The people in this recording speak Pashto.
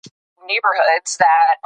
حضرت يوسف ع